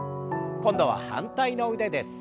今度は反対の腕です。